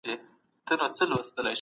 د اثر په اړه د نورو خبري واورئ.